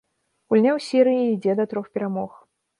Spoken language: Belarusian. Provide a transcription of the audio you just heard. Гульня ў серыі ідзе да трох перамог.